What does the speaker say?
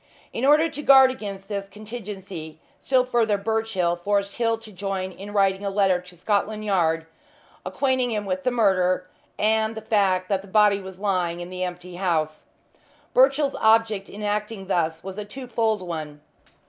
In order to guard against this contingency still further Birchill forced Hill to join in writing a letter to Scotland Yard, acquainting them with the murder, and the fact that the body was lying in the empty house. Birchill's object in acting thus was a twofold one.